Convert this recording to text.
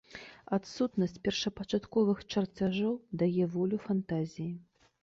Адсутнасць першапачатковых чарцяжоў дае волю фантазіі.